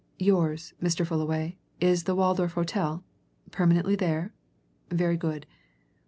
yours, Mr. Fullaway, is the Waldorf Hotel permanently there? Very good.